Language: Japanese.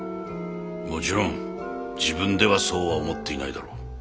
もちろん自分ではそうは思っていないだろう。